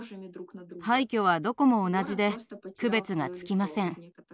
廃虚はどこも同じで区別がつきません。